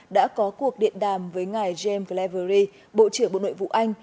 đã có cuộc điện đàm với ngài james glevery bộ trưởng bộ nội vụ anh